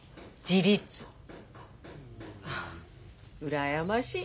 羨ましい。